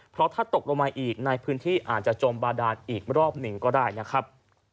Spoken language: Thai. เพราะถ้าตกลงมาอีกในพื้นที่อาจจะจมบาดานอีกรอบหนึ่งก็ได้นะครับ